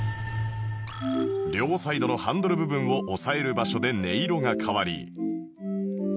両サイドのハンドル部分を押さえる場所で音色が変わり